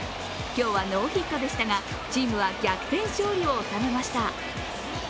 今日はノーヒットでしたがチームは逆転勝利を収めました。